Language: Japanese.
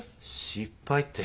失敗って。